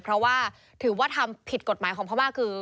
เพราะว่าถือว่าทำผิดกฎหมายของพม่าคือ